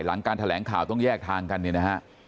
หลังการแถลงข่าวต้องแยกทางกัน